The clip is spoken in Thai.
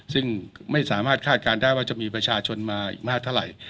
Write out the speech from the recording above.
ซึ่งไม่สามารถคาดการณ์ได้ว่าจะมีประชาชนมาอีกมากเท่าไหร่